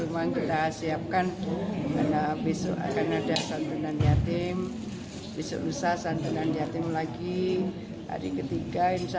memang kita siapkan karena besok akan ada santunan yatim besok lusa santunan yatim lagi hari ketiga insya allah